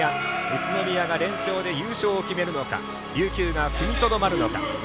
宇都宮が連勝で優勝を決めるのか琉球が踏みとどまるのか。